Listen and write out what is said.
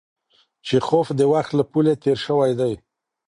چیخوف د وخت له پولې تېر شوی دی.